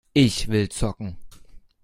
Ich will zocken!